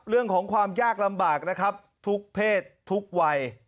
เรื่องของความยากลำบากนะครับทุกเพศทุกวัย